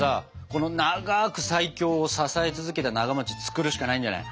この「長ーく最強」を支えた続けたなが作るしかないんじゃない？